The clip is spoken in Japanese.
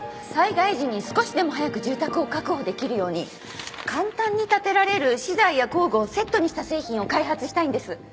災害時に少しでも早く住宅を確保できるように簡単に建てられる資材や工具をセットにした製品を開発したいんです